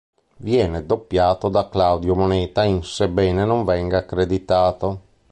Viene doppiato da Claudio Moneta in sebbene non venga accreditato.